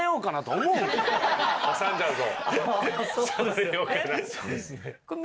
「はさんじゃうぞ」。